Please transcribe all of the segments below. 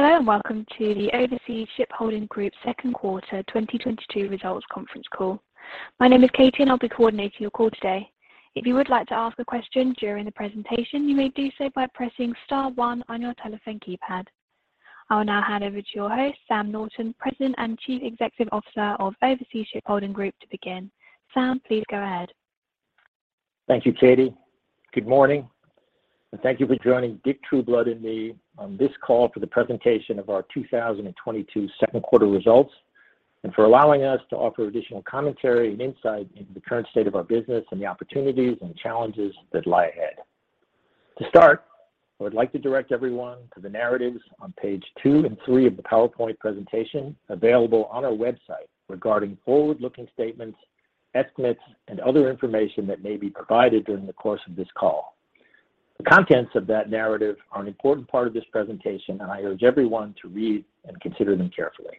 Hello, and welcome to the Overseas Shipholding Group second quarter 2022 results conference call. My name is Katie, and I'll be coordinating your call today. If you would like to ask a question during the presentation, you may do so by pressing star one on your telephone keypad. I will now hand over to your host, Sam Norton, President and Chief Executive Officer of Overseas Shipholding Group to begin. Sam, please go ahead. Thank you, Katie. Good morning, and thank you for joining Richard Trueblood and me on this call for the presentation of our 2022 second quarter results, and for allowing us to offer additional commentary and insight into the current state of our business and the opportunities and challenges that lie ahead. To start, I would like to direct everyone to the narratives on page 2 and 3 of the PowerPoint presentation available on our website regarding forward-looking statements, estimates, and other information that may be provided during the course of this call. The contents of that narrative are an important part of this presentation, and I urge everyone to read and consider them carefully.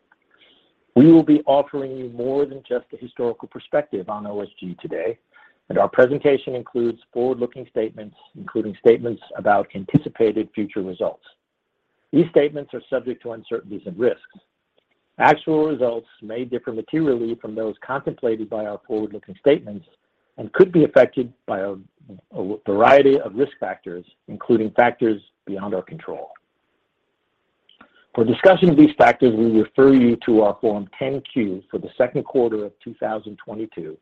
We will be offering you more than just a historical perspective on OSG today, and our presentation includes forward-looking statements, including statements about anticipated future results. These statements are subject to uncertainties and risks. Actual results may differ materially from those contemplated by our forward-looking statements and could be affected by a variety of risk factors, including factors beyond our control. For discussion of these factors, we refer you to our Form 10-Q for the second quarter of 2022,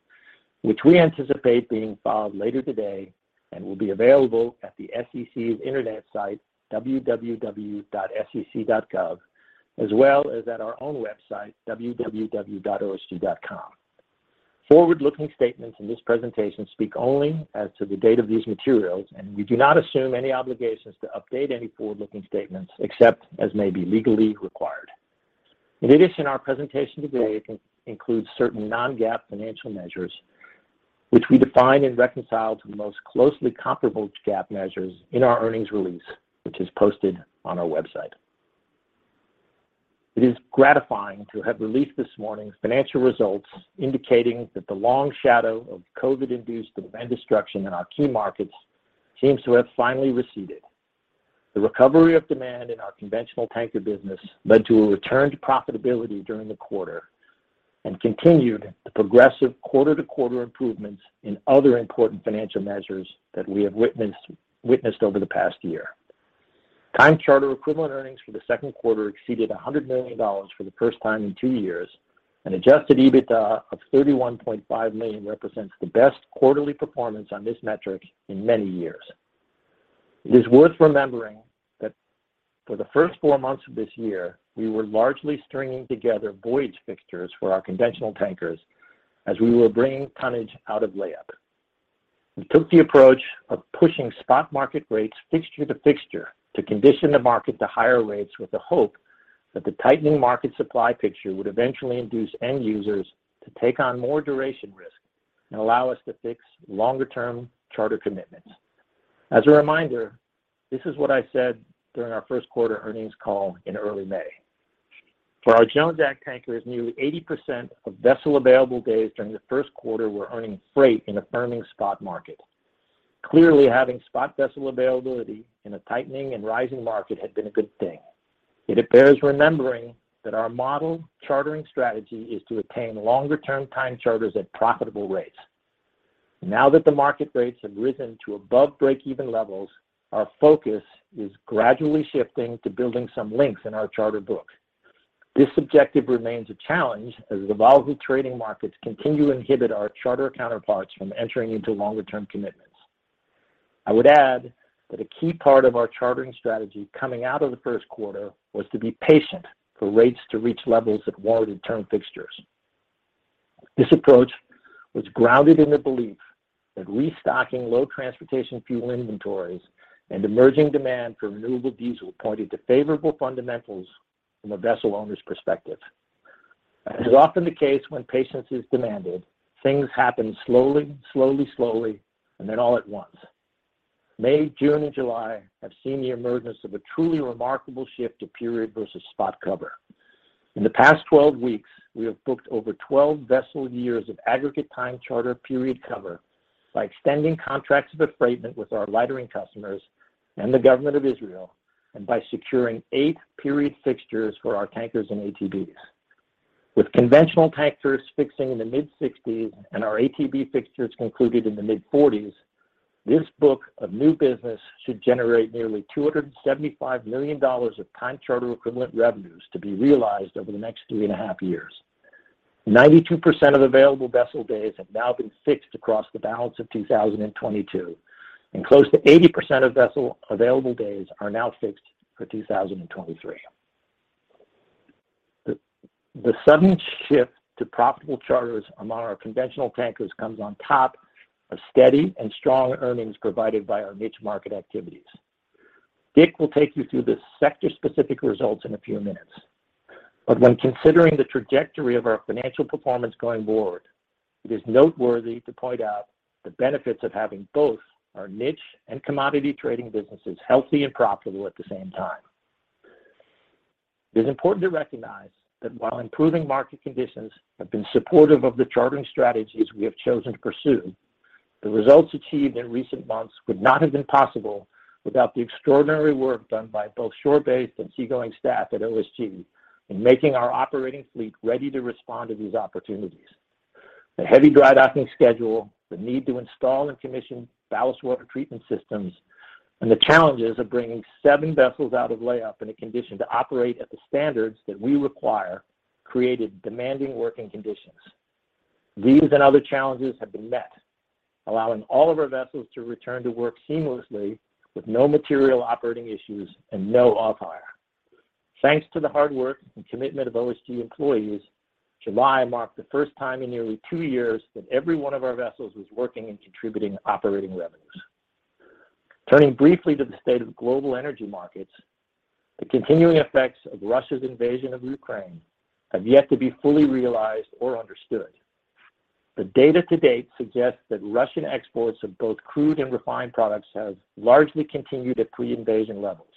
which we anticipate being filed later today and will be available at the SEC's internet site, www.sec.gov, as well as at our own website, www.osg.com. Forward-looking statements in this presentation speak only as to the date of these materials, and we do not assume any obligations to update any forward-looking statements except as may be legally required. In addition, our presentation today includes certain non-GAAP financial measures, which we define and reconcile to the most closely comparable GAAP measures in our earnings release, which is posted on our website. It is gratifying to have released this morning's financial results indicating that the long shadow of COVID-induced demand destruction in our key markets seems to have finally receded. The recovery of demand in our conventional tanker business led to a return to profitability during the quarter and continued the progressive quarter-to-quarter improvements in other important financial measures that we have witnessed over the past year. Time charter equivalent earnings for the second quarter exceeded $100 million for the first time in 2 years, and adjusted EBITDA of $31.5 million represents the best quarterly performance on this metric in many years. It is worth remembering that for the first 4 months of this year, we were largely stringing together voyage fixtures for our conventional tankers as we were bringing tonnage out of layup. We took the approach of pushing spot market rates fixture to fixture to condition the market to higher rates with the hope that the tightening market supply picture would eventually induce end users to take on more duration risk and allow us to fix longer-term charter commitments. As a reminder, this is what I said during our first quarter earnings call in early May. For our Jones Act tankers, nearly 80% of vessel available days during the first quarter were earning freight in a firming spot market. Clearly, having spot vessel availability in a tightening and rising market had been a good thing. It bears remembering that our model chartering strategy is to attain longer-term time charters at profitable rates. Now that the market rates have risen to above breakeven levels, our focus is gradually shifting to building some links in our charter book. This objective remains a challenge as the volatile trading markets continue to inhibit our charter counterparts from entering into longer-term commitments. I would add that a key part of our chartering strategy coming out of the first quarter was to be patient for rates to reach levels that warranted term fixtures. This approach was grounded in the belief that restocking low transportation fuel inventories and emerging demand for renewable diesel pointed to favorable fundamentals from a vessel owner's perspective. As is often the case when patience is demanded, things happen slowly, and then all at once. May, June, and July have seen the emergence of a truly remarkable shift to period versus spot cover. In the past 12 weeks, we have booked over 12 vessel years of aggregate time charter period cover by extending contracts of affreightment with our lightering customers and the government of Israel, and by securing 8 period fixtures for our tankers and ATBs. With conventional tankers fixing in the mid-60s and our ATB fixtures concluded in the mid-40s, this book of new business should generate nearly $275 million of time charter equivalent revenues to be realized over the next 3.5 years. 92% of available vessel days have now been fixed across the balance of 2022, and close to 80% of vessel available days are now fixed for 2023. The sudden shift to profitable charters among our conventional tankers comes on top of steady and strong earnings provided by our niche market activities. Dick will take you through the sector-specific results in a few minutes. When considering the trajectory of our financial performance going forward, it is noteworthy to point out the benefits of having both our niche and commodity trading businesses healthy and profitable at the same time. It is important to recognize that while improving market conditions have been supportive of the chartering strategies we have chosen to pursue. The results achieved in recent months would not have been possible without the extraordinary work done by both shore-based and seagoing staff at OSG in making our operating fleet ready to respond to these opportunities. The heavy dry docking schedule, the need to install and commission ballast water treatment systems, and the challenges of bringing seven vessels out of layup in a condition to operate at the standards that we require created demanding working conditions. These and other challenges have been met, allowing all of our vessels to return to work seamlessly with no material operating issues and no off-hire. Thanks to the hard work and commitment of OSG employees, July marked the first time in nearly two years that every one of our vessels was working and contributing operating revenues. Turning briefly to the state of global energy markets, the continuing effects of Russia's invasion of Ukraine have yet to be fully realized or understood. The data to date suggests that Russian exports of both crude and refined products has largely continued at pre-invasion levels.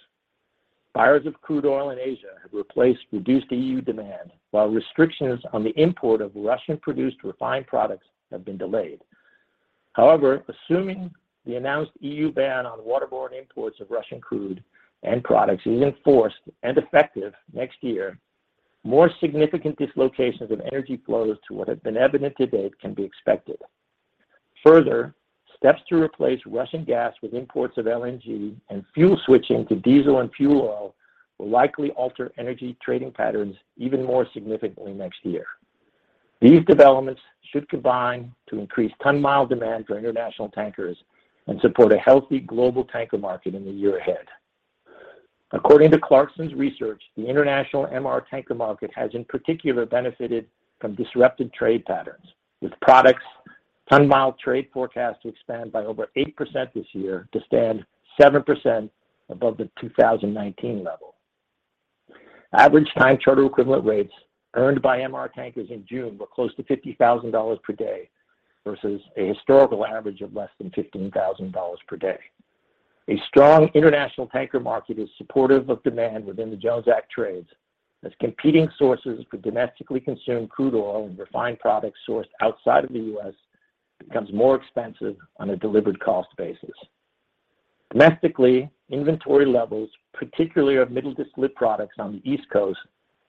Buyers of crude oil in Asia have replaced reduced EU demand, while restrictions on the import of Russian-produced refined products have been delayed. However, assuming the announced EU ban on waterborne imports of Russian crude and products is enforced and effective next year, more significant dislocations of energy flows to what have been evident to date can be expected. Further, steps to replace Russian gas with imports of LNG and fuel switching to diesel and fuel oil will likely alter energy trading patterns even more significantly next year. These developments should combine to increase ton-mile demand for international tankers and support a healthy global tanker market in the year ahead. According to Clarksons's research, the international MR tanker market has in particular benefited from disrupted trade patterns, with products ton-mile trade forecast to expand by over 8% this year to stand 7% above the 2019 level. Average time charter equivalent rates earned by MR tankers in June were close to $50,000 per day versus a historical average of less than $15,000 per day. A strong international tanker market is supportive of demand within the Jones Act trades as competing sources for domestically consumed crude oil and refined products sourced outside of the U.S. becomes more expensive on a delivered cost basis. Domestically, inventory levels, particularly of middle distillate products on the East Coast,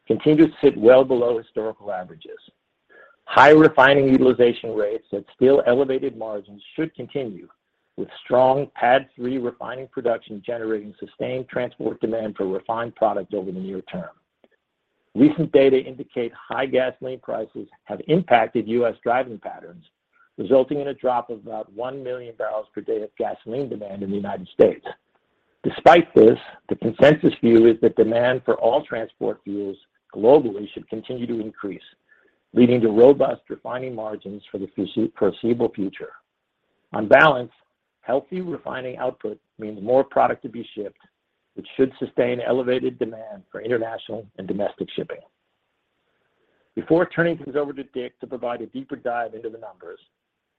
continue to sit well below historical averages. High refining utilization rates and still elevated margins should continue, with strong PADD 3 refining production generating sustained transport demand for refined products over the near term. Recent data indicate high gasoline prices have impacted U.S. driving patterns, resulting in a drop of about 1 million barrels per day of gasoline demand in the United States. Despite this, the consensus view is that demand for all transport fuels globally should continue to increase, leading to robust refining margins for the foreseeable future. On balance, healthy refining output means more product to be shipped, which should sustain elevated demand for international and domestic shipping. Before turning things over to Dick to provide a deeper dive into the numbers,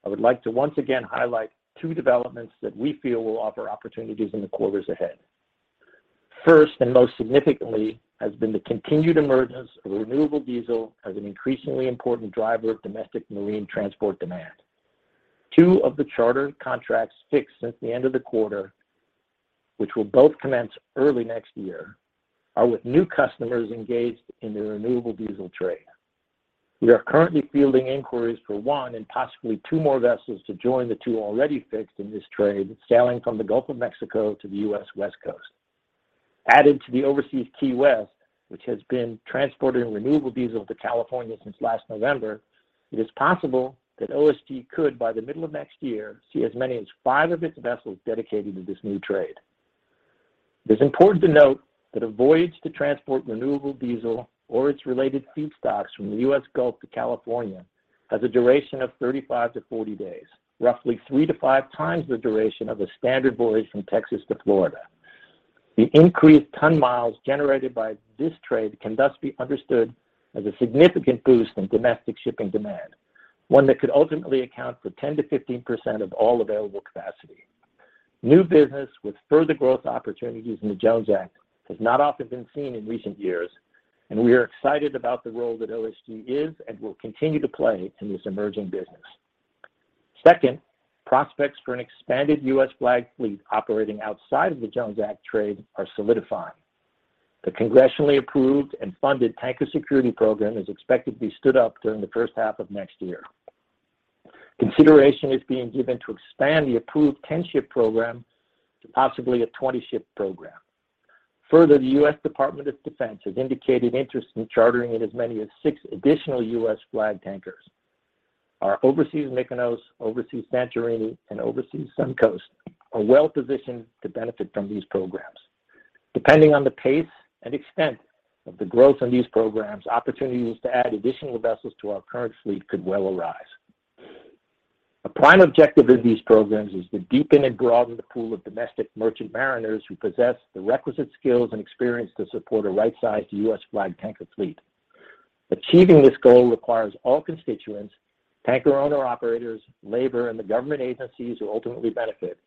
I would like to once again highlight two developments that we feel will offer opportunities in the quarters ahead. First, and most significantly, has been the continued emergence of renewable diesel as an increasingly important driver of domestic marine transport demand. Two of the charter contracts fixed since the end of the quarter, which will both commence early next year, are with new customers engaged in the renewable diesel trade. We are currently fielding inquiries for one and possibly two more vessels to join the two already fixed in this trade sailing from the Gulf of Mexico to the U.S. West Coast. Added to the Overseas Key West, which has been transporting renewable diesel to California since last November, it is possible that OSG could, by the middle of next year, see as many as five of its vessels dedicated to this new trade. It is important to note that a voyage to transport renewable diesel or its related feedstocks from the U.S. Gulf to California has a duration of 35-40 days, roughly 3-5 times the duration of a standard voyage from Texas to Florida. The increased ton-miles generated by this trade can thus be understood as a significant boost in domestic shipping demand, one that could ultimately account for 10%-15% of all available capacity. New business with further growth opportunities in the Jones Act has not often been seen in recent years, and we are excited about the role that OSG is and will continue to play in this emerging business. Second, prospects for an expanded U.S. flag fleet operating outside of the Jones Act trade are solidifying. The congressionally approved and funded Tanker Security Program is expected to be stood up during the first half of next year. Consideration is being given to expand the approved 10-ship program to possibly a 20-ship program. Further, the U.S. Department of Defense has indicated interest in chartering in as many as 6 additional U.S. flag tankers. Our Overseas Mykonos, Overseas Santorini, and Overseas Sun Coast are well-positioned to benefit from these programs. Depending on the pace and extent of the growth in these programs, opportunities to add additional vessels to our current fleet could well arise. A prime objective of these programs is to deepen and broaden the pool of domestic merchant mariners who possess the requisite skills and experience to support a right-sized U.S. flag tanker fleet. Achieving this goal requires all constituents, tanker owner-operators, labor, and the government agencies who ultimately benefit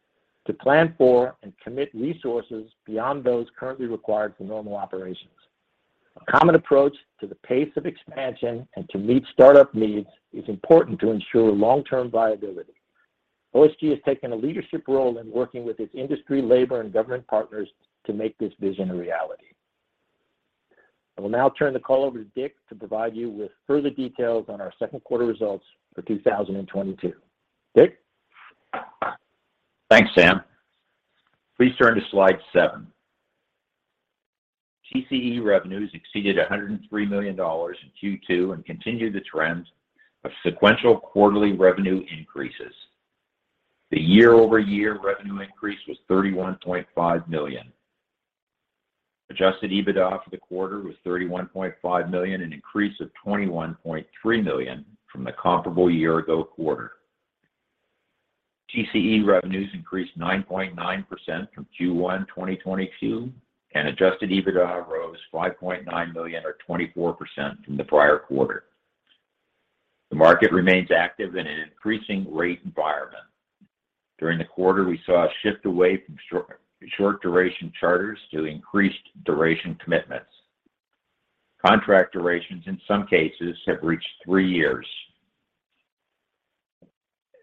to plan for and commit resources beyond those currently required for normal operations. A common approach to the pace of expansion and to meet startup needs is important to ensure long-term viability. OSG has taken a leadership role in working with its industry, labor, and government partners to make this vision a reality. I will now turn the call over to Dick to provide you with further details on our second quarter results for 2022. Dick? Thanks, Sam. Please turn to slide seven. TCE revenues exceeded $103 million in Q2 and continued the trend of sequential quarterly revenue increases. The year-over-year revenue increase was $31.5 million. Adjusted EBITDA for the quarter was $31.5 million, an increase of $21.3 million from the comparable year ago quarter. TCE revenues increased 9.9% from Q1 2022, and adjusted EBITDA rose $5.9 million or 24% from the prior quarter. The market remains active in an increasing rate environment. During the quarter, we saw a shift away from short duration charters to increased duration commitments. Contract durations in some cases have reached 3 years.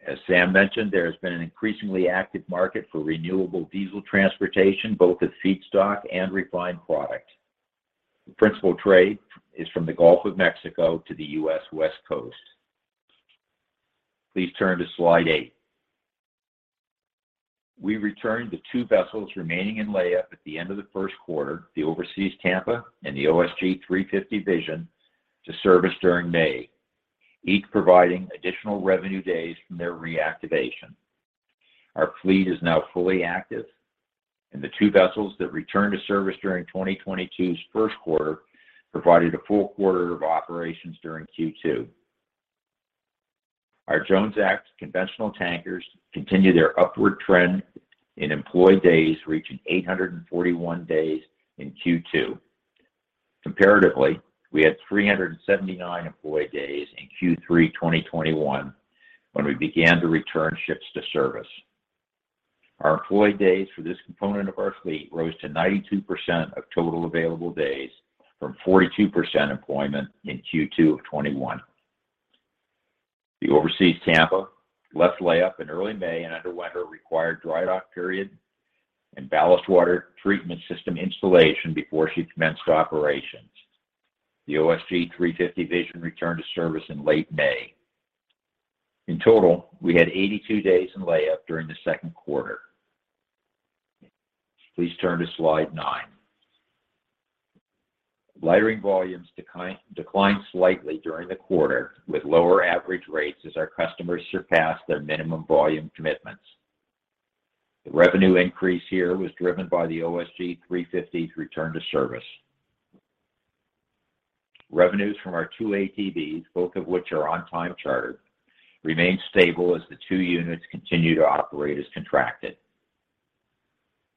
As Sam mentioned, there has been an increasingly active market for renewable diesel transportation, both as feedstock and refined product. The principal trade is from the Gulf of Mexico to the U.S. West Coast. Please turn to slide 8. We returned the two vessels remaining in layup at the end of the first quarter, the Overseas Tampa and the OSG Vision and OSG 350, to service during May, each providing additional revenue days from their reactivation. Our fleet is now fully active, and the two vessels that returned to service during 2022's first quarter provided a full quarter of operations during Q2. Our Jones Act conventional tankers continue their upward trend in employed days, reaching 841 days in Q2. Comparatively, we had 379 employed days in Q3 2021 when we began to return ships to service. Our employed days for this component of our fleet rose to 92% of total available days from 42% employment in Q2 of 2021. The Overseas Tampa left layup in early May and underwent her required dry dock period and ballast water treatment system installation before she commenced operations. The OSG Vision and OSG 350 returned to service in late May. In total, we had 82 days in layup during the second quarter. Please turn to slide 9. Lightering volumes declined slightly during the quarter with lower average rates as our customers surpassed their minimum volume commitments. The revenue increase here was driven by the OSG Vision and OSG 350's return to service. Revenues from our two ATBs, both of which are on time charter, remained stable as the two units continue to operate as contracted.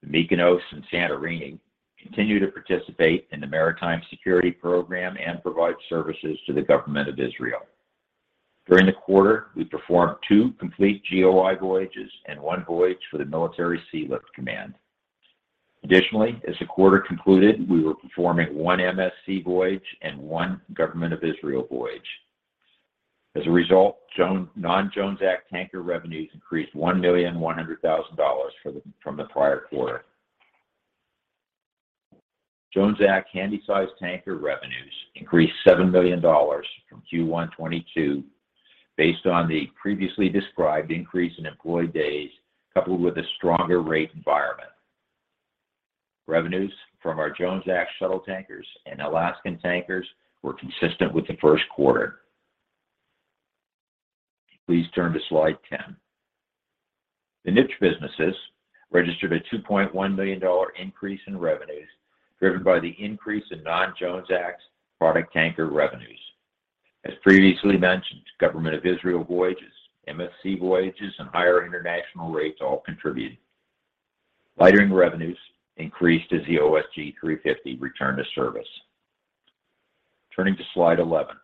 The Overseas Mykonos and Overseas Santorini continue to participate in the Maritime Security Program and provide services to the Government of Israel. During the quarter, we performed two complete GOI voyages and one voyage for the Military Sealift Command. Additionally, as the quarter concluded, we were performing one MSC voyage and one Government of Israel voyage. As a result, non-Jones Act tanker revenues increased $1.1 million from the prior quarter. Jones Act handysize tanker revenues increased $7 million from Q1 2022 based on the previously described increase in employed days coupled with a stronger rate environment. Revenues from our Jones Act shuttle tankers and Alaskan tankers were consistent with the first quarter. Please turn to slide 10. The niche businesses registered a $2.1 million increase in revenues, driven by the increase in non-Jones Act product tanker revenues. As previously mentioned, Government of Israel voyages, MSC voyages, and higher international rates all contributed. Lightering revenues increased as the OSG-350 returned to service. Turning to slide 11.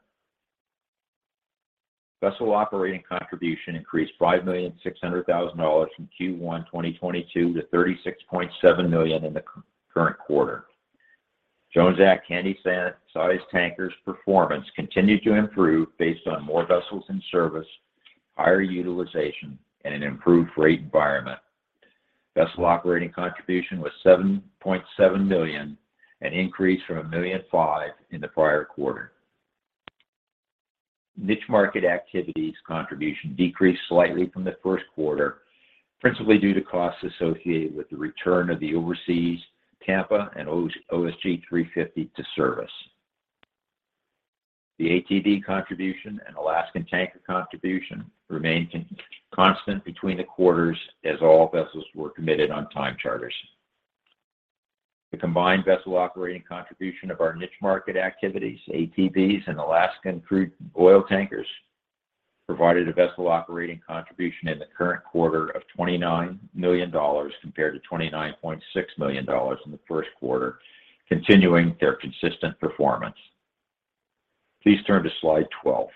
Vessel operating contribution increased $5.6 million from Q1 2022 to $36.7 million in the current quarter. Jones Act handysized tankers' performance continued to improve based on more vessels in service, higher utilization, and an improved rate environment. Vessel operating contribution was $7.7 million, an increase from $1.5 million in the prior quarter. Niche market activities contribution decreased slightly from the first quarter, principally due to costs associated with the return of the Overseas Tampa and OSG 350 to service. The ATB contribution and Alaskan tanker contribution remained constant between the quarters as all vessels were committed on time charters. The combined vessel operating contribution of our niche market activities, ATBs and Alaskan crude oil tankers, provided a vessel operating contribution in the current quarter of $29 million compared to $29.6 million in the first quarter, continuing their consistent performance. Please turn to slide 12.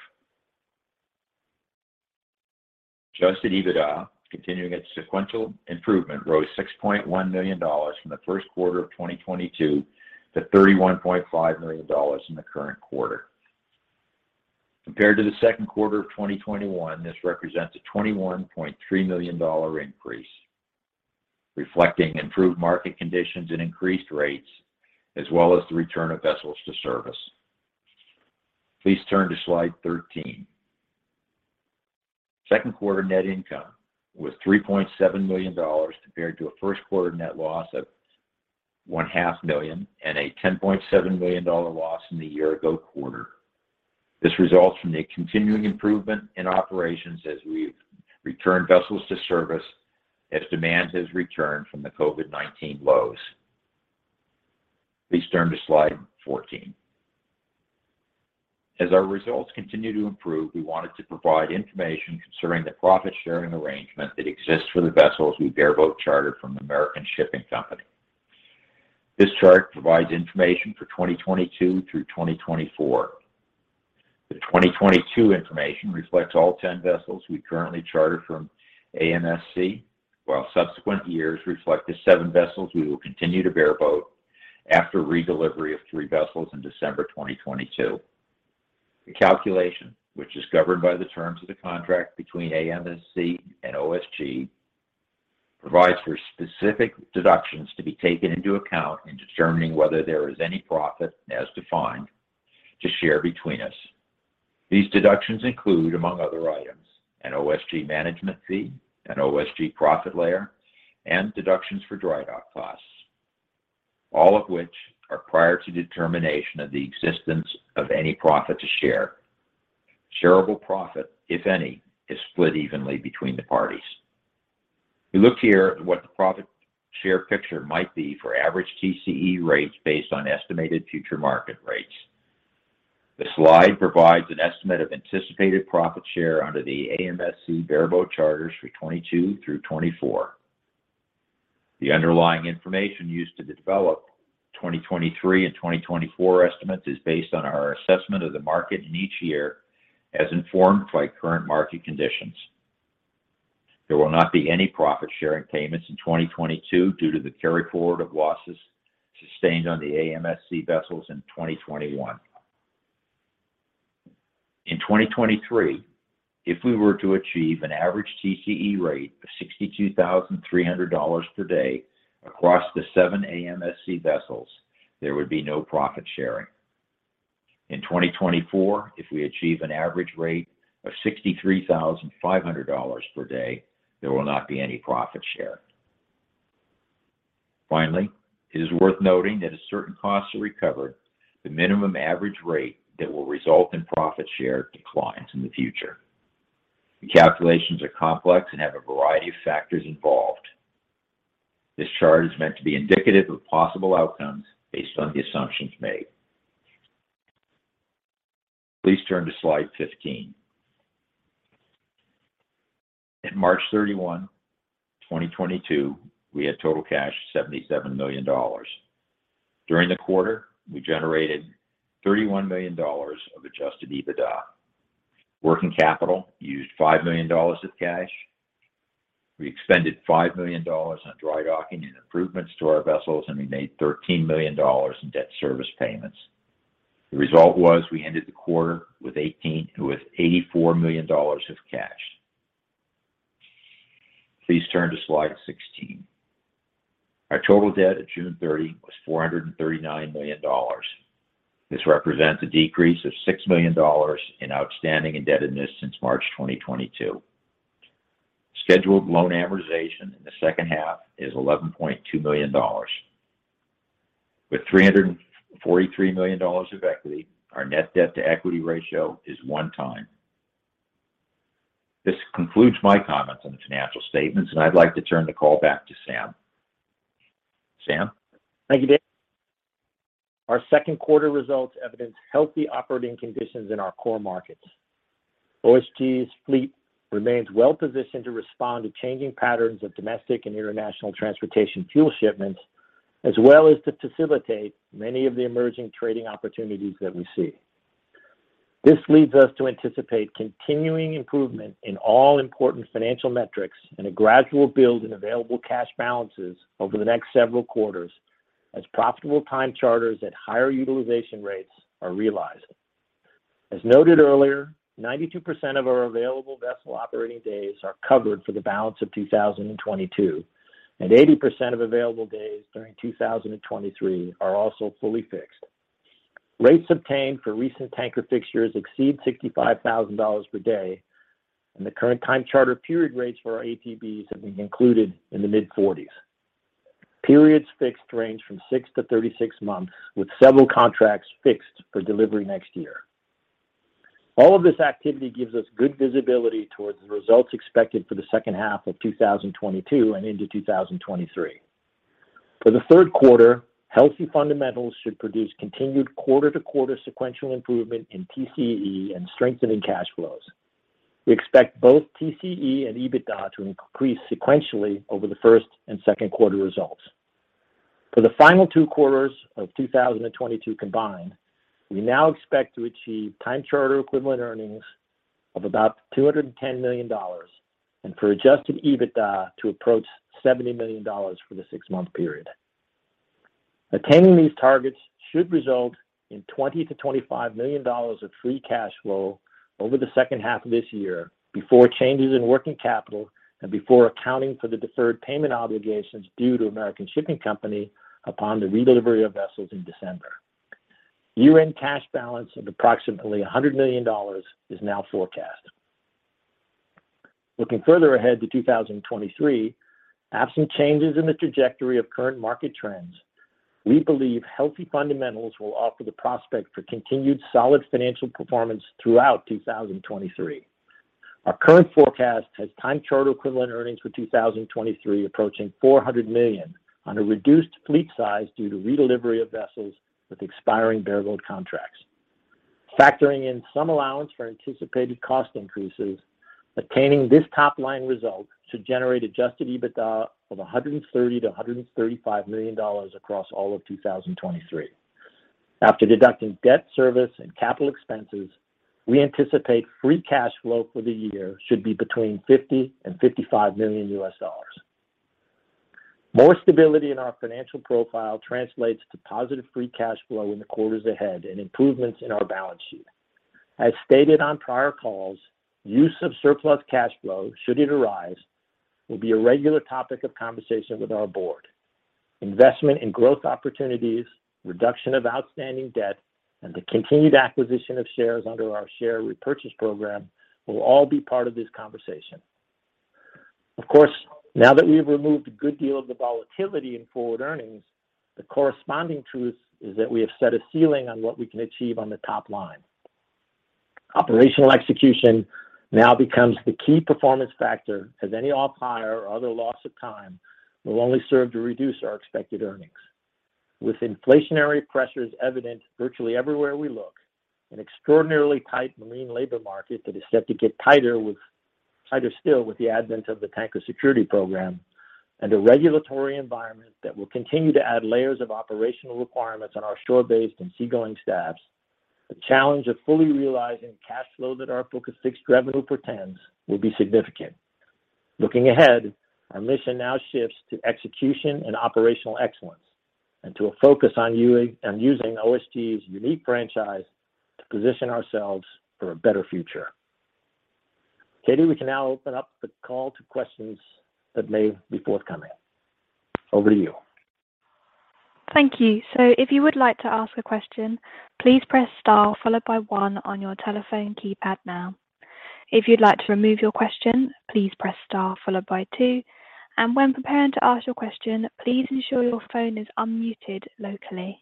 Adjusted EBITDA continuing its sequential improvement rose $6.1 million from the first quarter of 2022 to $31.5 million in the current quarter. Compared to the second quarter of 2021, this represents a $21.3 million increase, reflecting improved market conditions and increased rates, as well as the return of vessels to service. Please turn to slide 13. Second quarter net income was $3.7 million compared to a first quarter net loss of one-half million and a $10.7 million loss in the year ago quarter. This results from the continuing improvement in operations as we've returned vessels to service as demand has returned from the COVID-19 lows. Please turn to slide 14. As our results continue to improve, we wanted to provide information concerning the profit-sharing arrangement that exists for the vessels we bareboat charter from American Shipping Company. This chart provides information for 2022 through 2024. The 2022 information reflects all 10 vessels we currently charter from AMSC, while subsequent years reflect the 7 vessels we will continue to bareboat after redelivery of 3 vessels in December 2022. The calculation, which is governed by the terms of the contract between AMSC and OSG, provides for specific deductions to be taken into account in determining whether there is any profit, as defined, to share between us. These deductions include, among other items, an OSG management fee, an OSG profit layer, and deductions for dry dock costs, all of which are prior to determination of the existence of any profit to share. Shareable profit, if any, is split evenly between the parties. We look here at what the profit share picture might be for average TCE rates based on estimated future market rates. This slide provides an estimate of anticipated profit share under the AMSC bareboat charters for 2022 through 2024. The underlying information used to develop 2023 and 2024 estimates is based on our assessment of the market in each year as informed by current market conditions. There will not be any profit-sharing payments in 2022 due to the carryforward of losses sustained on the AMSC vessels in 2021. In 2023, if we were to achieve an average TCE rate of $62,300 per day across the seven AMSC vessels, there would be no profit sharing. In 2024, if we achieve an average rate of $63,500 per day, there will not be any profit share. Finally, it is worth noting that as certain costs are recovered, the minimum average rate that will result in profit share declines in the future. The calculations are complex and have a variety of factors involved. This chart is meant to be indicative of possible outcomes based on the assumptions made. Please turn to slide 15. At March 31, 2022, we had total cash $77 million. During the quarter, we generated $31 million of adjusted EBITDA. Working capital used $5 million of cash. We expended $5 million on dry docking and improvements to our vessels, and we made $13 million in debt service payments. The result was we ended the quarter with $84 million of cash. Please turn to slide 16. Our total debt at June 30 was $439 million. This represents a decrease of $6 million in outstanding indebtedness since March 2022. Scheduled loan amortization in the second half is $11.2 million. With $343 million of equity, our net debt-to-equity ratio is 1x. This concludes my comments on the financial statements, and I'd like to turn the call back to Sam. Sam? Thank you, Dick. Our second quarter results evidence healthy operating conditions in our core markets. OSG's fleet remains well-positioned to respond to changing patterns of domestic and international transportation fuel shipments, as well as to facilitate many of the emerging trading opportunities that we see. This leads us to anticipate continuing improvement in all important financial metrics and a gradual build in available cash balances over the next several quarters as profitable time charters at higher utilization rates are realized. As noted earlier, 92% of our available vessel operating days are covered for the balance of 2022, and 80% of available days during 2023 are also fully fixed. Rates obtained for recent tanker fixtures exceed $65,000 per day, and the current time charter period rates for our ATBs have been included in the mid-40s. Periods fixed range from 6-36 months, with several contracts fixed for delivery next year. All of this activity gives us good visibility towards the results expected for the second half of 2022 and into 2023. For the third quarter, healthy fundamentals should produce continued quarter-to-quarter sequential improvement in TCE and strengthening cash flows. We expect both TCE and EBITDA to increase sequentially over the first and second quarter results. For the final two quarters of 2022 combined, we now expect to achieve time charter equivalent earnings of about $210 million and for adjusted EBITDA to approach $70 million for the six-month period. Attaining these targets should result in $20-$25 million of free cash flow over the second half of this year before changes in working capital and before accounting for the deferred payment obligations due to American Shipping Company upon the redelivery of vessels in December. Year-end cash balance of approximately $100 million is now forecast. Looking further ahead to 2023, absent changes in the trajectory of current market trends, we believe healthy fundamentals will offer the prospect for continued solid financial performance throughout 2023. Our current forecast has time charter equivalent earnings for 2023 approaching $400 million on a reduced fleet size due to redelivery of vessels with expiring bareboat contracts. Factoring in some allowance for anticipated cost increases, attaining this top-line result should generate adjusted EBITDA of $130 million-$135 million across all of 2023. After deducting debt service and capital expenses, we anticipate free cash flow for the year should be between $50 million and $55 million. More stability in our financial profile translates to positive free cash flow in the quarters ahead and improvements in our balance sheet. As stated on prior calls, use of surplus cash flow, should it arise, will be a regular topic of conversation with our board. Investment in growth opportunities, reduction of outstanding debt, and the continued acquisition of shares under our share repurchase program will all be part of this conversation. Of course, now that we have removed a good deal of the volatility in forward earnings, the corresponding truth is that we have set a ceiling on what we can achieve on the top line. Operational execution now becomes the key performance factor as any off-hire or other loss of time will only serve to reduce our expected earnings. With inflationary pressures evident virtually everywhere we look, an extraordinarily tight marine labor market that is set to get tighter still with the advent of the Tanker Security Program, and a regulatory environment that will continue to add layers of operational requirements on our shore-based and seagoing staffs, the challenge of fully realizing cash flow that our book of fixed revenue portends will be significant. Looking ahead, our mission now shifts to execution and operational excellence, and to a focus on on using OSG's unique franchise to position ourselves for a better future. Katie, we can now open up the call to questions that may be forthcoming. Over to you. Thank you. If you would like to ask a question, please press star followed by one on your telephone keypad now. If you'd like to remove your question, please press star followed by two, and when preparing to ask your question, please ensure your phone is unmuted locally.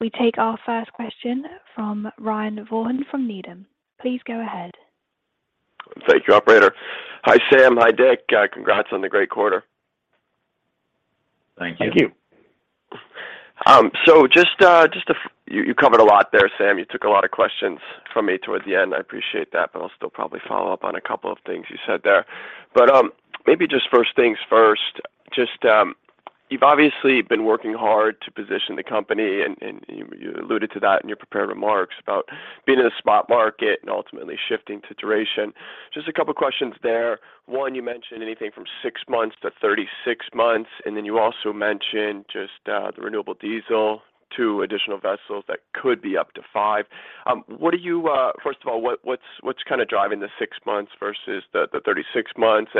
We take our first question from Ryan Vaughan from Needham. Please go ahead. Thank you, operator. Hi, Sam. Hi, Dick. Congrats on the great quarter. Thank you. Thank you. You covered a lot there, Sam. You took a lot of questions from me towards the end. I appreciate that, but I'll still probably follow up on a couple of things you said there. Maybe first things first, you've obviously been working hard to position the company and you alluded to that in your prepared remarks about being in a spot market and ultimately shifting to duration. Just a couple questions there. One, you mentioned anything from 6 months to 36 months, and then you also mentioned just the renewable diesel, 2 additional vessels that could be up to 5. What are you... First of all, what's kind of driving the 6 months versus the 36 months?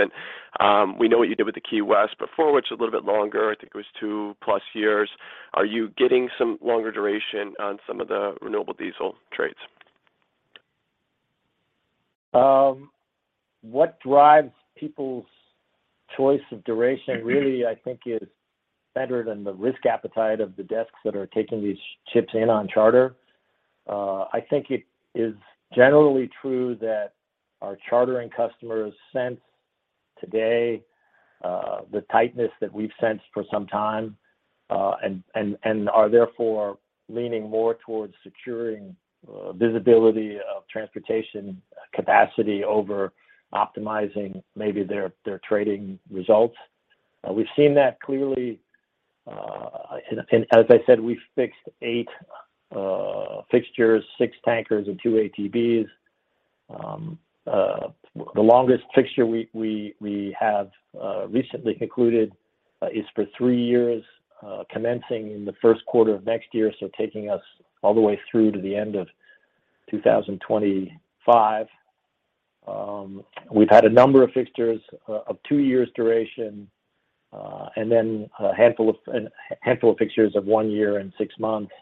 We know what you did with the Overseas Key West before, which is a little bit longer. I think it was 2-plus years. Are you getting some longer duration on some of the renewable diesel trades? What drives people's choice of duration really, I think, is better than the risk appetite of the desks that are taking these ships in on charter. I think it is generally true that our chartering customers sense today the tightness that we've sensed for some time, and are therefore leaning more towards securing visibility of transportation capacity over optimizing maybe their trading results. We've seen that clearly. As I said, we fixed 8 fixtures, 6 tankers and 2 ATBs. The longest fixture we have recently concluded is for 3 years, commencing in the first quarter of next year, so taking us all the way through to the end of 2025. We've had a number of fixtures of 2 years duration, and then a handful of fixtures of 1 year and 6 months.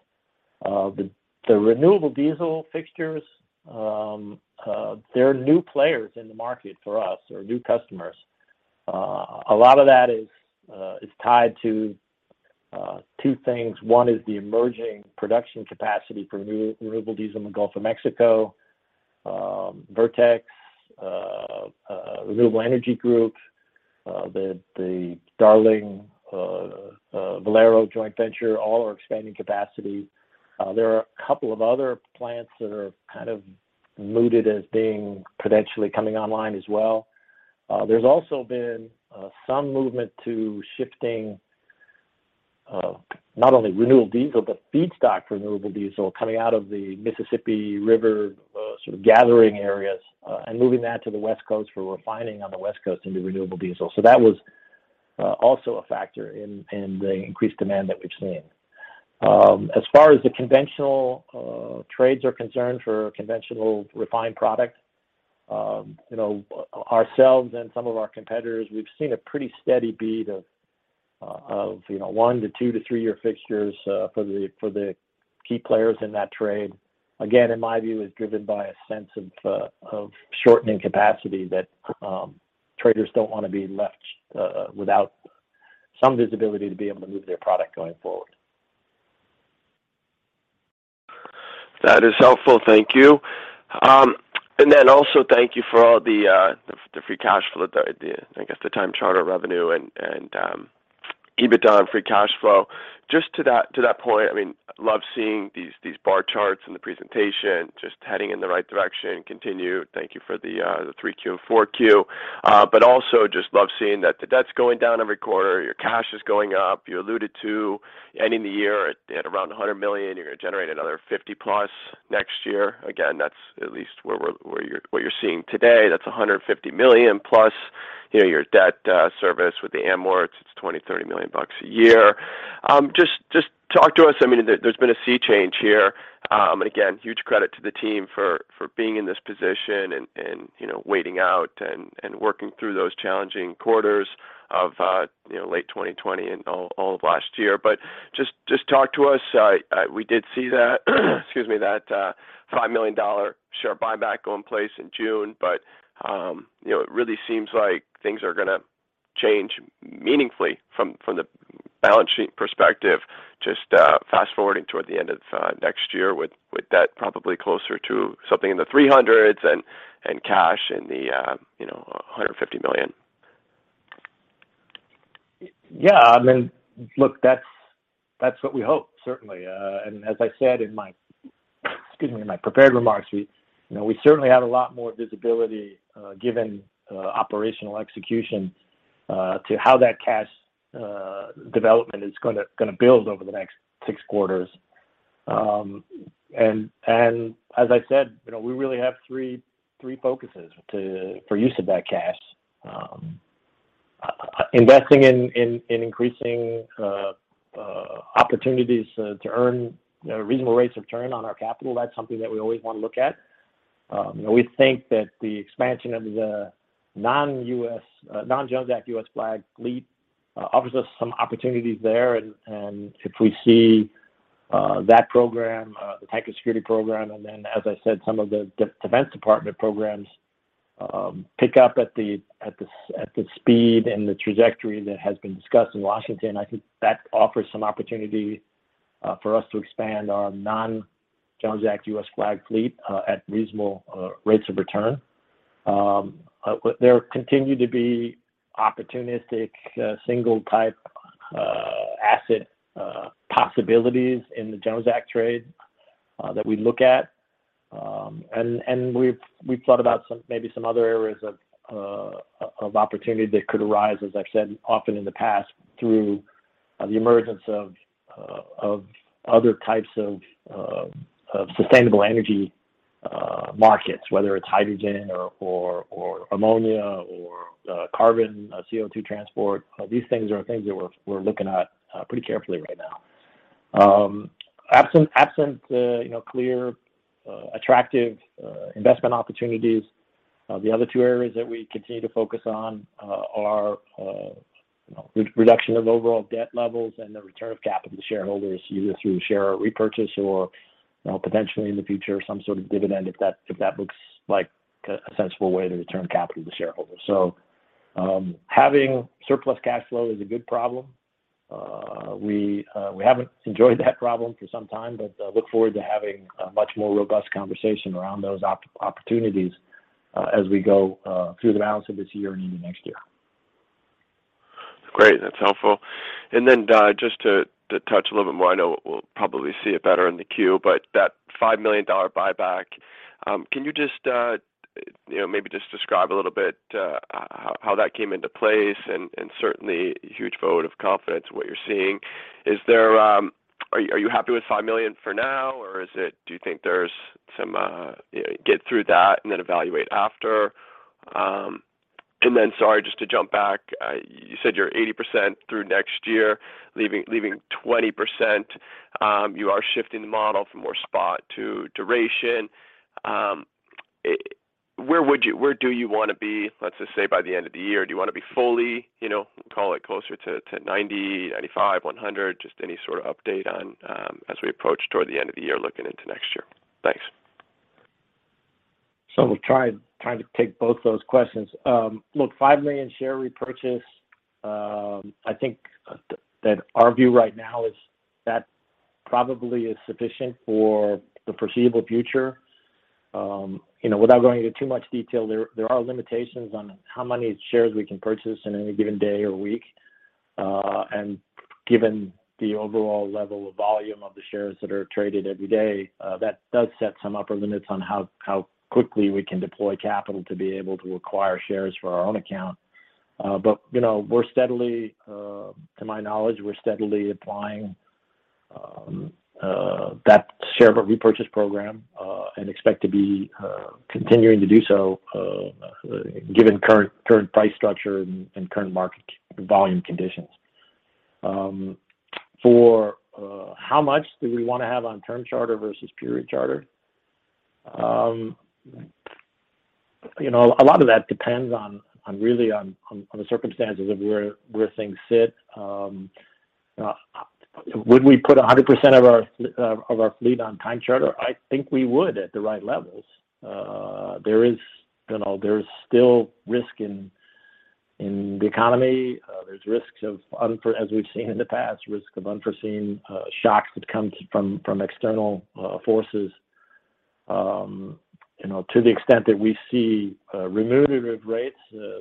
The renewable diesel fixtures, they're new players in the market for us or new customers. A lot of that is tied to two things. One is the emerging production capacity for renewable diesel in the Gulf of Mexico. Vertex Energy, Renewable Energy Group, the Darling Ingredients Valero joint venture all are expanding capacity. There are a couple of other plants that are kind of mooted as being potentially coming online as well. There's also been some movement to shifting not only renewable diesel, but feedstock for renewable diesel coming out of the Mississippi River, sort of gathering areas, and moving that to the West Coast for refining on the West Coast into renewable diesel. That was also a factor in the increased demand that we've seen. As far as the conventional trades are concerned for conventional refined product, you know, ourselves and some of our competitors, we've seen a pretty steady beat of, you know, 1- to 2- to 3-year fixtures for the key players in that trade. Again, in my view, is driven by a sense of shortening capacity that traders don't wanna be left without some visibility to be able to move their product going forward. That is helpful. Thank you. Thank you for all the free cash flow, I guess the time charter revenue and EBITDA and free cash flow. Just to that point, I mean, love seeing these bar charts in the presentation just heading in the right direction. Continue. Thank you for the 3Q and 4Q. Also just love seeing that the debt's going down every quarter. Your cash is going up. You alluded to ending the year at around $100 million. You're gonna generate another $50+ million next year. Again, that's at least what you're seeing today. That's $150 million+, you know, your debt service with the amort. It's $20-$30 million a year. Just talk to us. I mean, there's been a sea change here. Again, huge credit to the team for being in this position and, you know, waiting out and working through those challenging quarters of, you know, late 2020 and all of last year. Just talk to us. We did see that, excuse me, that $5 million share buyback taking place in June. You know, it really seems like things are gonna change meaningfully from the balance sheet perspective, just fast-forwarding toward the end of next year with that probably closer to something in the 300s and cash in the $150 million. Yeah. I mean, look, that's what we hope, certainly. As I said in my prepared remarks, we, you know, we certainly have a lot more visibility given operational execution to how that cash development is gonna build over the next six quarters. As I said, you know, we really have three focuses for use of that cash. Investing in increasing opportunities to earn, you know, reasonable rates of return on our capital, that's something that we always wanna look at. We think that the expansion of the non-U.S. non-Jones Act U.S. Flag fleet offers us some opportunities there. If we see that program, the Tanker Security Program, and then, as I said, some of the Department of Defense programs pick up at the speed and the trajectory that has been discussed in Washington, I think that offers some opportunity for us to expand our non-Jones Act U.S.-flag fleet at reasonable rates of return. There continue to be opportunistic single-type asset possibilities in the Jones Act trade that we look at. We've thought about maybe some other areas of opportunity that could arise, as I've said often in the past, through the emergence of other types of sustainable energy markets, whether it's hydrogen or ammonia or carbon CO2 transport. These things that we're looking at pretty carefully right now. Absent you know clear attractive investment opportunities, the other two areas that we continue to focus on are you know reduction of overall debt levels and the return of capital to shareholders, either through share repurchase or you know potentially in the future, some sort of dividend if that looks like a sensible way to return capital to shareholders. Having surplus cash flow is a good problem. We haven't enjoyed that problem for some time, but look forward to having a much more robust conversation around those opportunities as we go through the balance of this year and into next year. Great. That's helpful. Then, just to touch a little bit more, I know we'll probably see it better in the 10-Q, but that $5 million buyback, can you just, you know, maybe just describe a little bit, how that came into place and certainly huge vote of confidence what you're seeing. Are you happy with $5 million for now, or do you think there's some, you know, get through that and then evaluate after? Sorry, just to jump back, you said you're 80% through next year, leaving 20%. You are shifting the model from more spot to duration. Where do you wanna be, let's just say, by the end of the year? Do you wanna be fully, you know, call it closer to 90%, 95%, 100%? Just any sort of update on, as we approach toward the end of the year looking into next year. Thanks. We'll try to take both those questions. Look, 5 million share repurchase, I think that our view right now is that probably is sufficient for the foreseeable future. You know, without going into too much detail, there are limitations on how many shares we can purchase in any given day or week. And given the overall level of volume of the shares that are traded every day, that does set some upper limits on how quickly we can deploy capital to be able to acquire shares for our own account. But you know, to my knowledge, we're steadily applying that share repurchase program and expect to be continuing to do so, given current price structure and current market volume conditions. How much do we wanna have on time charter versus period charter? You know, a lot of that depends really on the circumstances of where things sit. Would we put 100% of our fleet on time charter? I think we would at the right levels. There is, you know, still risk in the economy. There's risks, as we've seen in the past, of unforeseen shocks that come from external forces. You know, to the extent that we see remunerative rates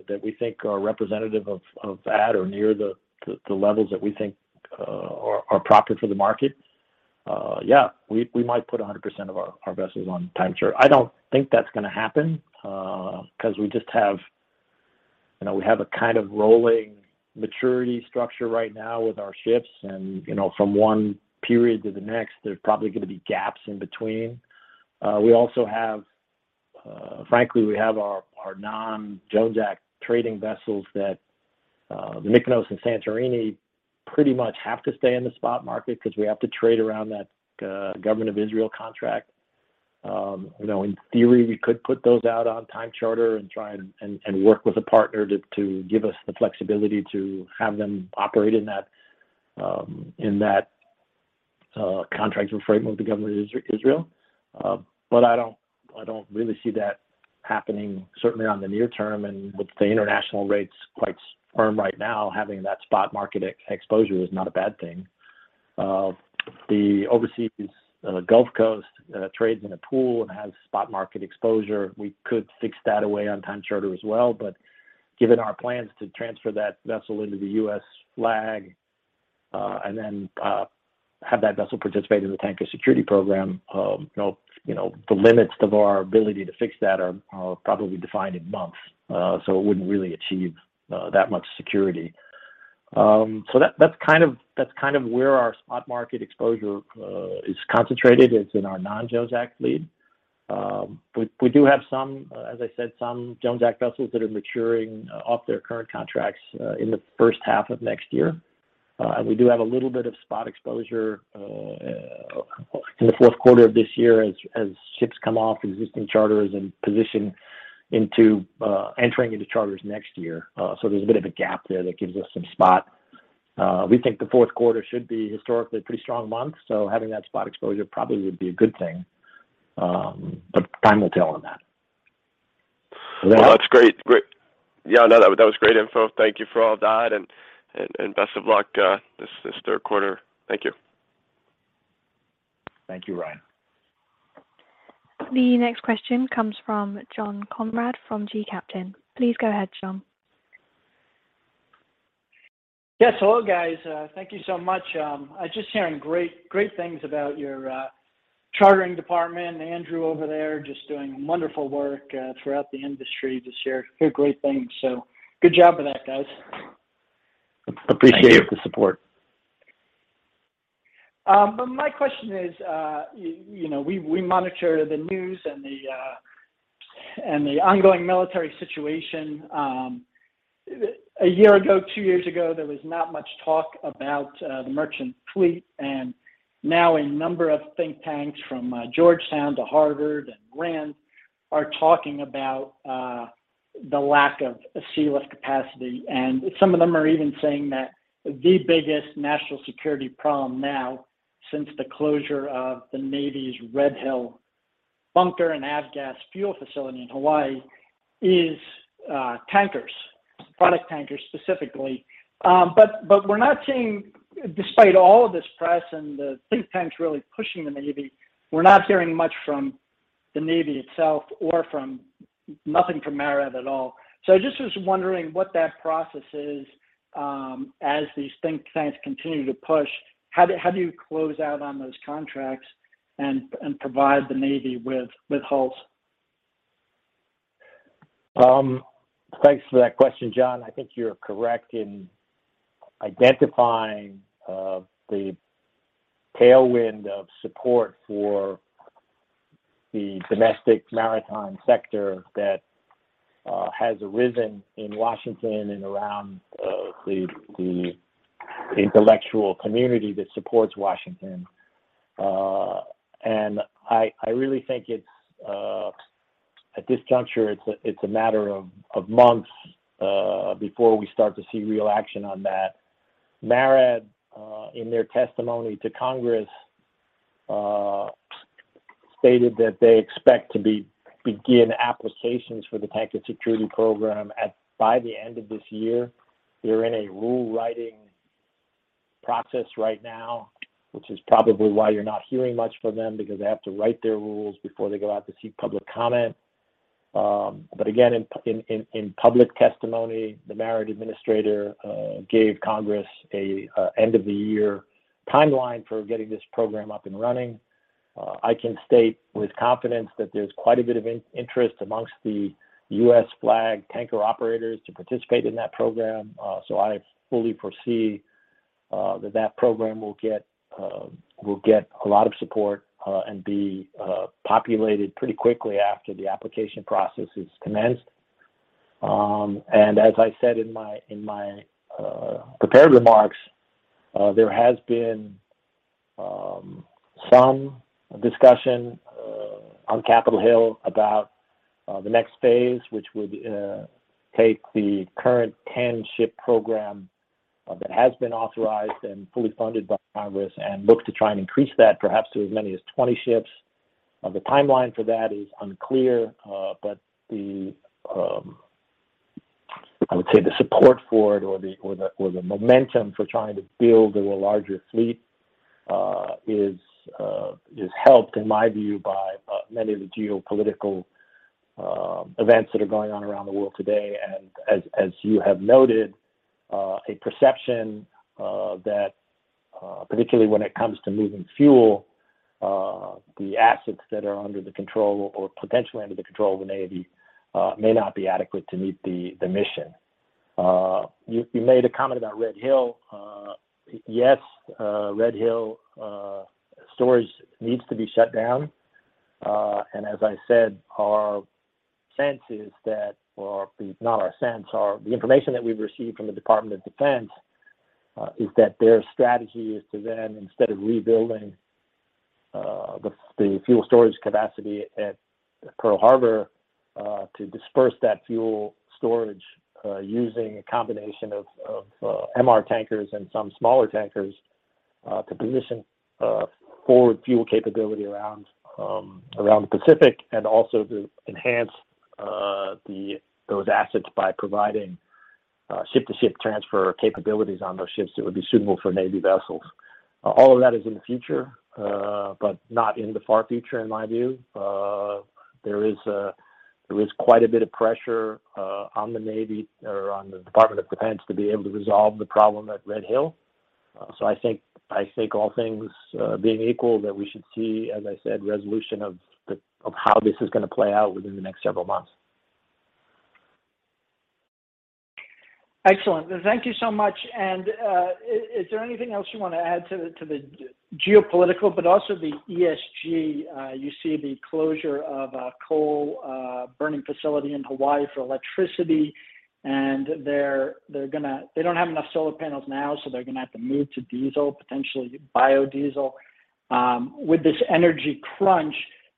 that we think are representative of at or near the levels that we think are proper for the market, yeah, we might put 100% of our vessels on time charter. I don't think that's gonna happen, 'cause we just have, you know, we have a kind of rolling maturity structure right now with our ships and, you know, from one period to the next, there's probably gonna be gaps in between. We also have, frankly, we have our non-Jones Act trading vessels that, the Overseas Mykonos and Overseas Santorini pretty much have to stay in the spot market 'cause we have to trade around that government of Israel contract. You know, in theory, we could put those out on time charter and try and work with a partner to give us the flexibility to have them operate in that contracts of affreightment with the government of Israel. I don't really see that happening certainly on the near term. With the international rates quite firm right now, having that spot market exposure is not a bad thing. The Overseas Gulf Coast trades in a pool and has spot market exposure. We could fix that on a time charter as well. Given our plans to transfer that vessel into the U.S. flag and then have that vessel participate in the Tanker Security Program, you know, the limits of our ability to fix that are probably defined in months. It wouldn't really achieve that much security. That's kind of where our spot market exposure is concentrated. It's in our non-Jones Act fleet. We do have some, as I said, some Jones Act vessels that are maturing off their current contracts in the first half of next year. We do have a little bit of spot exposure in the fourth quarter of this year as ships come off existing charters and position into entering into charters next year. There's a bit of a gap there that gives us some spot. We think the fourth quarter should be historically pretty strong months, so having that spot exposure probably would be a good thing. Time will tell on that. Well, that's great. Great. Yeah, no, that was great info. Thank you for all that and best of luck this third quarter. Thank you. Thank you, Ryan. The next question comes from John Konrad from gCaptain. Please go ahead, John. Yes. Hello, guys. Thank you so much. I'm just hearing great things about your chartering department, Andrew over there, just doing wonderful work throughout the industry this year. Hear great things. Good job with that, guys. Appreciate the support. My question is, you know, we monitor the news and the ongoing military situation. A year ago, two years ago, there was not much talk about the merchant fleet, and now a number of think tanks from Georgetown to Harvard and RAND are talking about the lack of sealift capacity. Some of them are even saying that the biggest national security problem now since the closure of the Navy's Red Hill bunker and avgas fuel facility in Hawaii is tankers, product tankers specifically. We're not seeing, despite all of this press and the think tanks really pushing the Navy, we're not hearing much from the Navy itself or from nothing. Nothing from MARAD at all. I just was wondering what that process is, as these think tanks continue to push, how do you close out on those contracts and provide the Navy with hulls? Thanks for that question, John. I think you're correct in identifying the tailwind of support for the domestic maritime sector that has arisen in Washington and around the intellectual community that supports Washington. I really think it's at this juncture, it's a matter of months before we start to see real action on that. MARAD in their testimony to Congress stated that they expect to begin applications for the Tanker Security Program by the end of this year. They're in a rule writing process right now, which is probably why you're not hearing much from them because they have to write their rules before they go out to seek public comment. In public testimony, the MARAD administrator gave Congress an end-of-the-year timeline for getting this program up and running. I can state with confidence that there's quite a bit of interest among the U.S.-flagged tanker operators to participate in that program. I fully foresee that program will get a lot of support and be populated pretty quickly after the application process is commenced. As I said in my prepared remarks, there has been some discussion on Capitol Hill about the next phase, which would take the current 10-ship program that has been authorized and fully funded by Congress and look to try and increase that perhaps to as many as 20 ships. The timeline for that is unclear, but I would say the support for it or the momentum for trying to build a larger fleet is helped, in my view, by many of the geopolitical events that are going on around the world today. As you have noted, a perception that, particularly when it comes to moving fuel, the assets that are under the control or potentially under the control of the Navy may not be adequate to meet the mission. You made a comment about Red Hill. Yes, Red Hill storage needs to be shut down. As I said, the information that we've received from the Department of Defense is that their strategy is to then, instead of rebuilding, the fuel storage capacity at Pearl Harbor, to disperse that fuel storage, using a combination of MR tankers and some smaller tankers, to position forward fuel capability around the Pacific, and also to enhance those assets by providing ship-to-ship transfer capabilities on those ships that would be suitable for Navy vessels. All of that is in the future, but not in the far future, in my view. There is quite a bit of pressure on the Navy or on the Department of Defense to be able to resolve the problem at Red Hill. I think all things being equal, that we should see, as I said, resolution of how this is gonna play out within the next several months. Excellent. Thank you so much. Is there anything else you want to add to the geopolitical but also the ESG? You see the closure of a coal burning facility in Hawaii for electricity. They're gonna. They don't have enough solar panels now, so they're gonna have to move to diesel, potentially biodiesel. With this energy crunch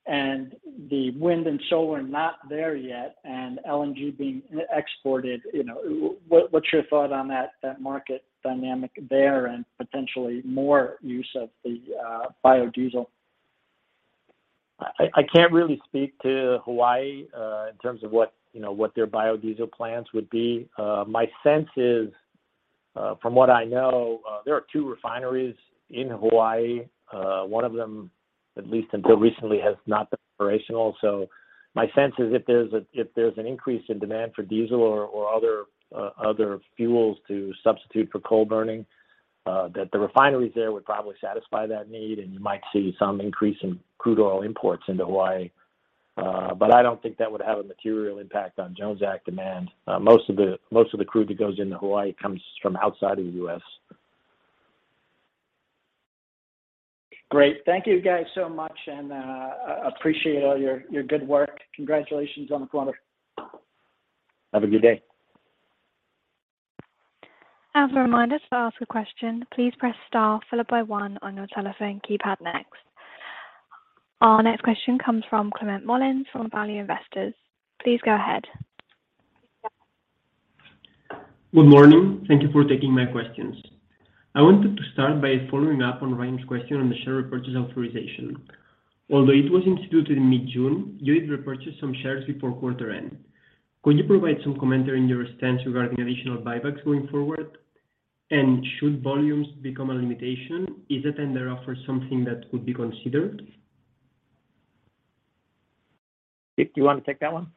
and the wind and solar not there yet and LNG being e-exported, you know, what's your thought on that market dynamic there and potentially more use of the biodiesel? I can't really speak to Hawaii in terms of what you know their biodiesel plans would be. My sense is from what I know there are two refineries in Hawaii. One of them, at least until recently, has not been operational. My sense is if there's an increase in demand for diesel or other fuels to substitute for coal burning that the refineries there would probably satisfy that need, and you might see some increase in crude oil imports into Hawaii. I don't think that would have a material impact on Jones Act demand. Most of the crude that goes into Hawaii comes from outside of the U.S. Great. Thank you guys so much, and I appreciate all your good work. Congratulations on the quarter. Have a good day. As a reminder, to ask a question, please press star followed by one on your telephone keypad next. Our next question comes from Climent Molins from Value Investor's Edge. Please go ahead. Good morning. Thank you for taking my questions. I wanted to start by following up on Ryan's question on the share repurchase authorization. Although it was instituted in mid-June, you did repurchase some shares before quarter end. Could you provide some commentary on your stance regarding additional buybacks going forward? Should volumes become a limitation, is a tender offer something that would be considered? Do you wanna take that one?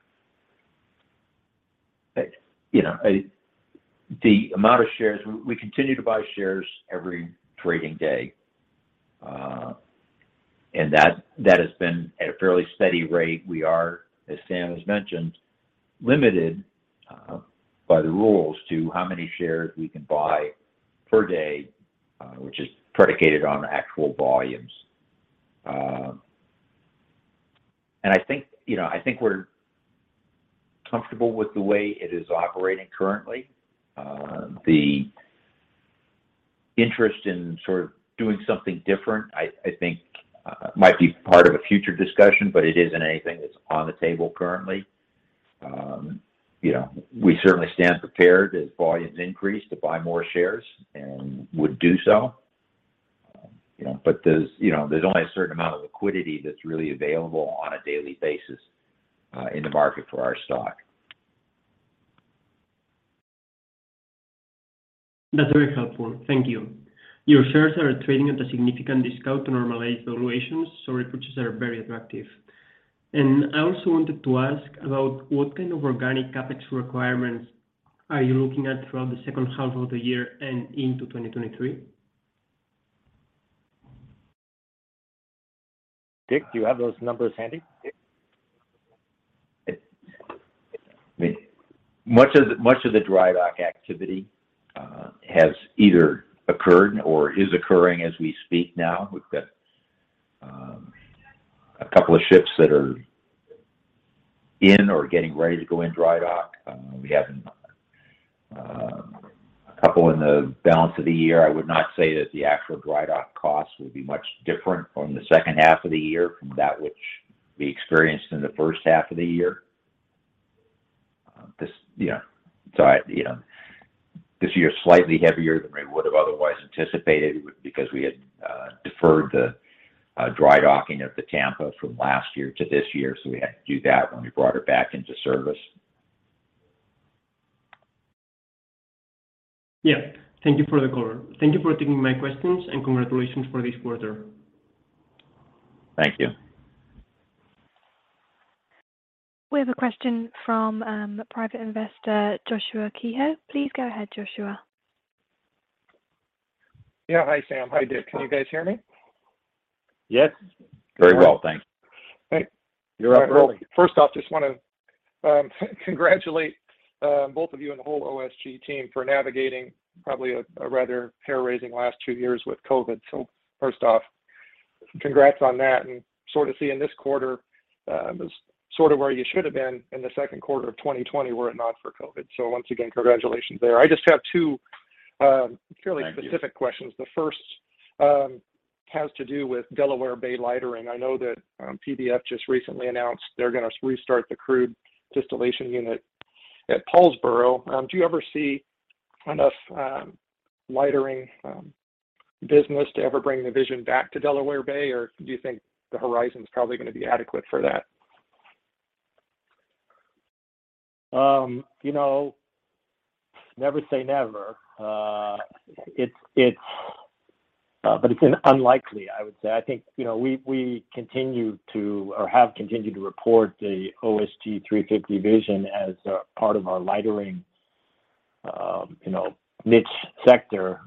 You know, the amount of shares we continue to buy shares every trading day. That has been at a fairly steady rate. We are, as Sam has mentioned, limited by the rules to how many shares we can buy per day, which is predicated on actual volumes. I think, you know, we're comfortable with the way it is operating currently. The interest in sort of doing something different, I think, might be part of a future discussion, but it isn't anything that's on the table currently. You know, we certainly stand prepared as volumes increase to buy more shares and would do so. You know, there's only a certain amount of liquidity that's really available on a daily basis in the market for our stock. That's very helpful. Thank you. Your shares are trading at a significant discount to normalized valuations, so repurchases are very attractive. I also wanted to ask about what kind of organic CapEx requirements are you looking at throughout the second half of the year and into 2023? Dick, do you have those numbers handy? I mean, much of the dry dock activity has either occurred or is occurring as we speak now. We've got a couple of ships that are in or getting ready to go in dry dock. We have a couple in the balance of the year. I would not say that the actual dry dock cost would be much different from the second half of the year from that which we experienced in the first half of the year. This year is slightly heavier than we would have otherwise anticipated because we had deferred the dry docking of the Tampa from last year to this year, so we had to do that when we brought her back into service. Yeah. Thank you for the color. Thank you for taking my questions, and congratulations for this quarter. Thank you. We have a question from, Private Investor Joshua Kehoe. Please go ahead, Joshua. Yeah. Hi, Sam. Hi, Dick. Can you guys hear me? Yes. Very well, thanks. Great. You're up early. First off, just wanna congratulate both of you and the whole OSG team for navigating probably a rather hair-raising last two years with COVID. First off, congrats on that and sort of seeing this quarter as sort of where you should have been in the second quarter of 2020 were it not for COVID. Once again, congratulations there. I just have two Thank you. Fairly specific questions. The first has to do with Delaware Bay lightering. I know that PBF just recently announced they're gonna restart the crude distillation unit at Paulsboro. Do you ever see enough lightering business to ever bring the Vision back to Delaware Bay, or do you think the Horizon's probably gonna be adequate for that? You know, never say never. It's unlikely, I would say. I think, you know, we continue to or have continued to report the OSG 350 Vision as a part of our lightering, you know, niche sector.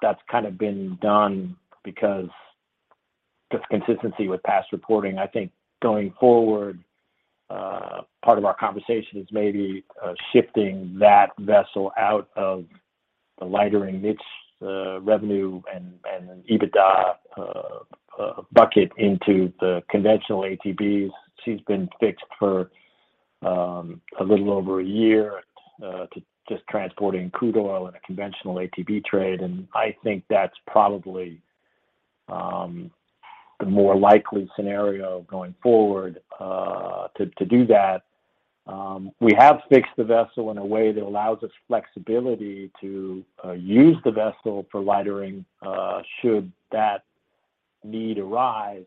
That's kind of been done because just consistency with past reporting. I think going forward, part of our conversation is maybe shifting that vessel out of the lightering niche revenue and EBITDA bucket into the conventional ATBs. She's been fixed for a little over a year to just transporting crude oil in a conventional ATB trade, and I think that's probably the more likely scenario going forward. To do that, we have fixed the vessel in a way that allows us flexibility to use the vessel for lightering, should that need arise.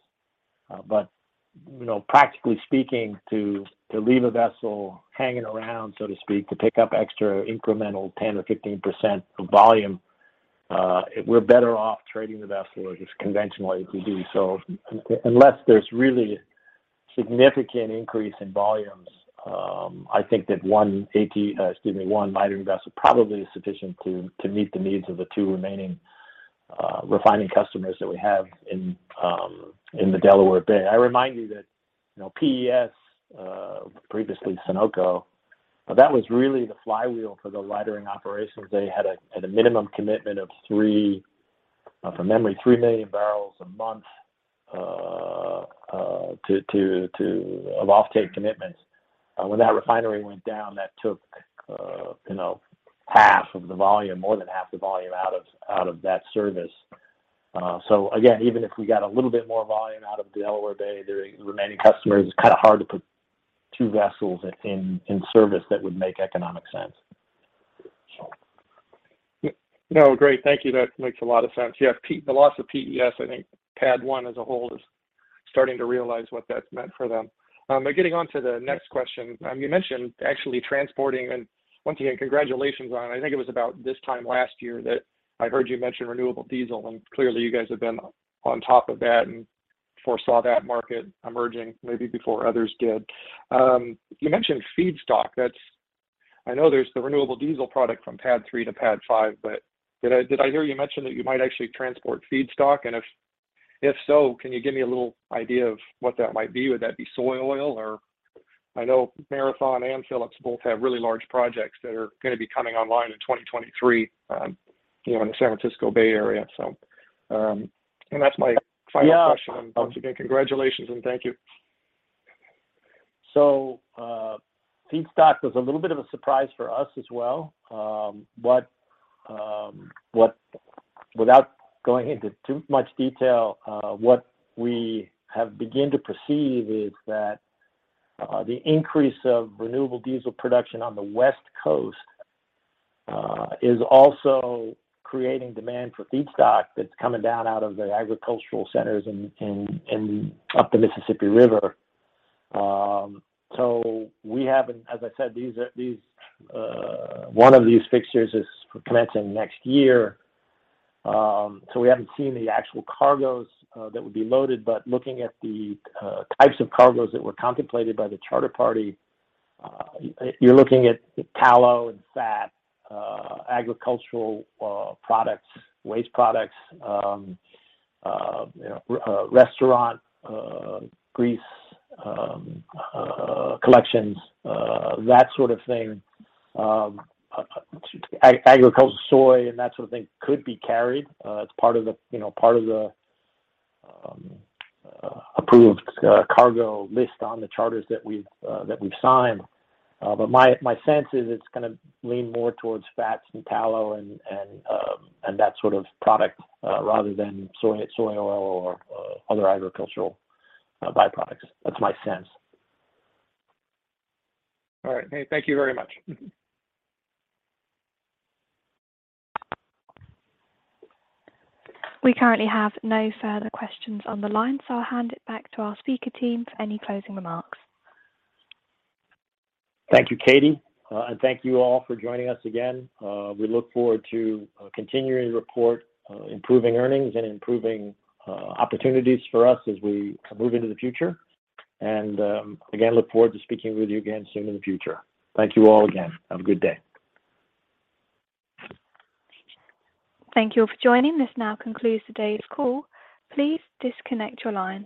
You know, practically speaking, to leave a vessel hanging around, so to speak, to pick up extra incremental 10 or 15% of volume, we're better off trading the vessel just conventionally as we do. Unless there's really significant increase in volumes, I think that one lightering vessel probably is sufficient to meet the needs of the two remaining refining customers that we have in the Delaware Bay. I remind you that, you know, PES, previously Sunoco, that was really the flywheel for the lightering operations. They had a minimum commitment of 3 million barrels a month to offtake commitments. When that refinery went down, that took, you know, half of the volume, more than half the volume out of that service. So again, even if we got a little bit more volume out of Delaware Bay, the remaining customers, it's kind of hard to put two vessels in service that would make economic sense. No, great. Thank you. That makes a lot of sense. Yeah, the loss of PES, I think PADD 1 as a whole is starting to realize what that's meant for them. Getting on to the next question. You mentioned actually transporting and once again, congratulations on it. I think it was about this time last year that I heard you mention renewable diesel, and clearly you guys have been on top of that and foresaw that market emerging maybe before others did. You mentioned feedstock. I know there's the renewable diesel product from PADD 3 to PADD 5, but did I hear you mention that you might actually transport feedstock? And if so, can you give me a little idea of what that might be? Would that be soy oil or? I know Marathon and Phillips both have really large projects that are gonna be coming online in 2023, you know, in the San Francisco Bay area. That's my final question. Yeah. Once again, congratulations and thank you. Feedstock was a little bit of a surprise for us as well. Without going into too much detail, what we have begun to perceive is that the increase of renewable diesel production on the West Coast is also creating demand for feedstock that's coming down out of the agricultural centers in up the Mississippi River. As I said, one of these fixtures is commencing next year. We haven't seen the actual cargoes that would be loaded. Looking at the types of cargoes that were contemplated by the charter party, you're looking at tallow and fat, agricultural products, waste products, you know, restaurant grease collections, that sort of thing. Agricultural soy and that sort of thing could be carried as part of the, you know, approved cargo list on the charters that we've signed. My sense is it's gonna lean more towards fats and tallow and that sort of product, rather than soy oil or other agricultural byproducts. That's my sense. All right. Hey, thank you very much. We currently have no further questions on the line, so I'll hand it back to our speaker team for any closing remarks. Thank you, Katie. Thank you all for joining us again. We look forward to continuing to report improving earnings and opportunities for us as we move into the future. Again, look forward to speaking with you again soon in the future. Thank you all again. Have a good day. Thank you all for joining. This now concludes today's call. Please disconnect your lines.